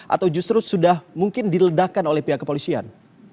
atau justru sudah mungkin diledakan oleh pihak kepolisian